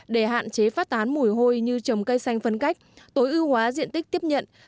để hạn chế phát tán mùi hôi như trồng cây xanh phân cách tối ưu hóa diện tích tiếp nhận